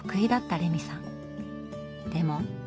でも。